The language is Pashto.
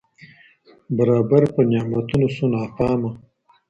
برابر پر نعمتونو سو ناپامه